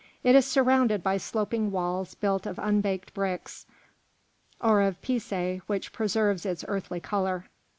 It is surrounded by sloping walls built of unbaked bricks or of pisé which preserves its earthy colour.